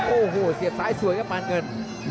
โอ้โหเสียบซ้ายสวยครับปานเงิน